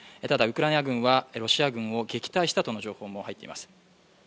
ただウクライナ軍はロシア軍を撃退したとの情報も入っています。